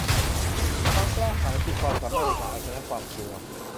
ความกล้าหาญคือความสามารถในการเอาชนะความกลัว